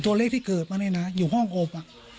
ตัวเลขที่เกิดมาเนี่ยนะอยู่ห้องอบ